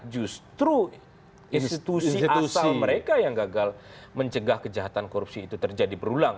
justru institusi asal mereka yang gagal mencegah kejahatan korupsi itu terjadi berulang